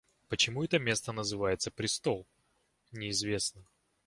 Почему это место называется престол, неизвестно.